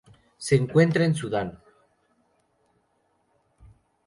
Se encuentra en Sudán.